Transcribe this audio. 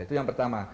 itu yang pertama